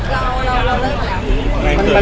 เราเลิกแบบนี้